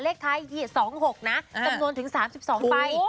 เลขท้าย๒๖นะจำนวนถึง๓๒ใบ